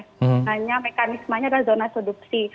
hanya mekanismanya kan zona sedupsi